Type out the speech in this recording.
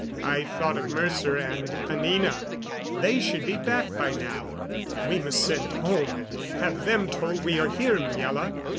I thought of Mercer and Anina. They should be back by now. "We must send home and have them told we are here, Miela.